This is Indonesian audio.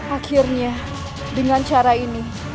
akhirnya dengan cara ini